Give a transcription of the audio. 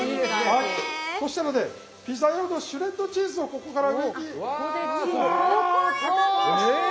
はいそしたらねピザ用のシュレッドチーズをここから上にブワーッ。